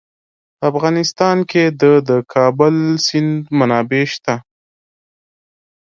په افغانستان کې د د کابل سیند منابع شته.